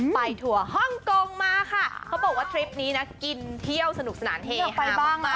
ไปทัวร์ฮ่องกงมาค่ะเค้าบอกว่าทริปนี้นะกินเที่ยวสนุกสนานเฮฮะ